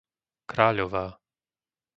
Kráľová